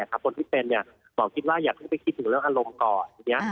คนที่เป็นหมอคิดว่าอย่าเพิ่งไปคิดถึงเรื่องอารมณ์ก่อน